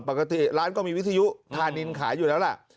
ปกติร้านก็มีวิทยุธานินขายอยู่แล้วล่ะ